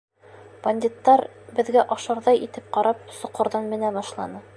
Бандиттар, беҙгә ашарҙай итеп ҡарап, соҡорҙан менә башланы.